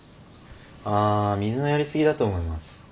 あ水のやり過ぎだと思います。